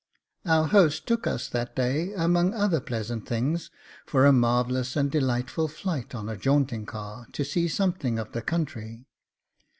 Our host took us that day, among other pleasant things, for a marvellous and delightful flight on a jaunting car, to see something of the country.